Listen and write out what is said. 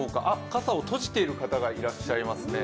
傘を閉じている方がいらっしゃいますね。